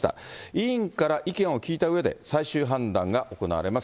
委員から意見を聞いたうえで最終判断が行われます。